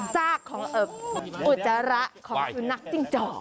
ซากของอุจจาระของสุนัขจิ้งจอก